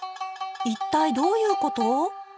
一体どういうこと？